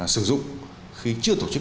sử dụng khi chưa tổ chức